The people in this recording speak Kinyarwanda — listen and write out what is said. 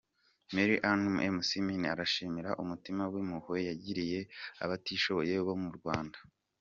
Mary Ann McMinn arashimirwa umutima w'impuhwe yagiriye abatishoboye bo mu Rwanda.